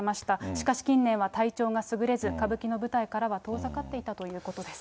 しかし、近年は体調がすぐれず、歌舞伎の舞台からは遠ざかっていたということです。